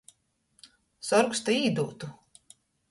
Sorgs to īdūtu.